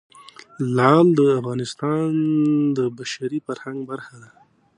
لعل د افغانستان د بشري فرهنګ برخه ده.